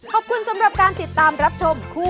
ขอบคุณสำหรับการติดตามรับชมคู่